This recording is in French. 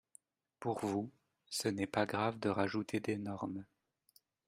Pour vous, ce n’est pas grave de rajouter des normes